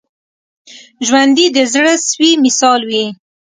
ژوندي د زړه سوي مثال وي